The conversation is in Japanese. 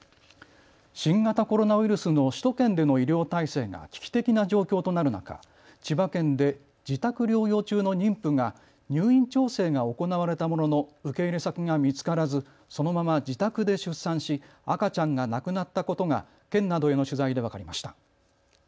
新型コロナウイルスの首都圏での医療体制が危機的な状況となる中、千葉県で自宅療養中の妊婦が入院調整が行われたものの受け入れ先が見つからずそのまま自宅で出産し赤ちゃんが亡くなったことが県などへの取材で分かりました。